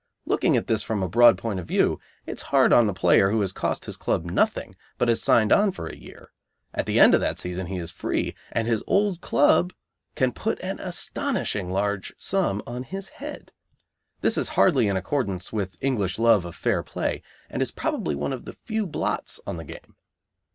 Looking at this from a broad point of view, it is hard on a player who has cost his club nothing, but has signed on for a year. At the end of that season he is free, and his old club can put an astonishing large sum on his head. This is hardly in accordance with English love of fair play, and is probably one of the few blots on the game.